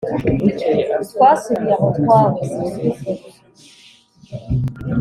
Twasubiye aho twahoze dukorera